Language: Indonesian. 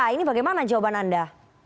ini bagaimana jawaban anda